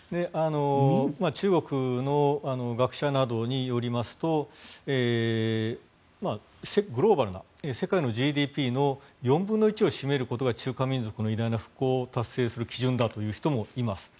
中国の学者などによりますとグローバルな、世界のＧＤＰの４分の１を占めることが中華民族の偉大な復興を達成する基準だという人もいます。